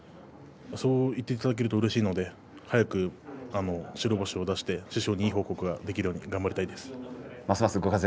そう言っていただけるとうれしいので早く白星を出して師匠にいい報告ができるように頑張りたいです。